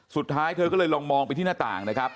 เธอก็เลยลองมองไปที่หน้าต่างนะครับ